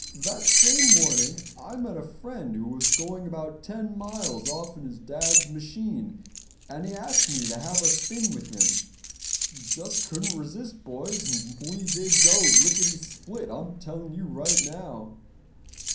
That same morning I met a friend who was going about ten miles off in his dad's machine, and he asked me to have a spin with him. Just couldn't resist, boys, and we did go licketty split. I'm telling you right now."